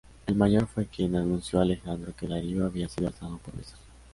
El mayor fue quien anunció a Alejandro que Darío había sido arrestado por Besos.